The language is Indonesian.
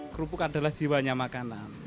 kerupuk adalah jiwanya makanan